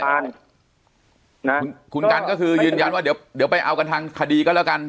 ขึ้นไปส่งแบบนั้นคุณกันก็คือยืนยันว่าเดี๋ยวไปเอากันทางคดีก็แล้วกัน